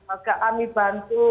agak kami bantu